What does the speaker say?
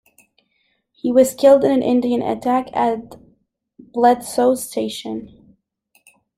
He was killed in an Indian attack at Bledsoe's Station.